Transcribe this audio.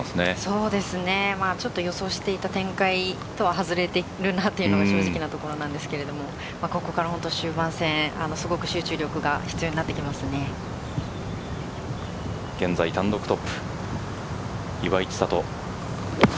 そうですね、ちょっと予想していた展開とは外れているなというのが正直なところですけどここから終盤戦現在、単独トップ岩井千怜。